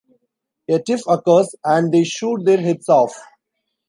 A tiff occurs, and they shoot their heads off.